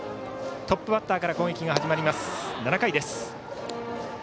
トップバッターから攻撃が始まります。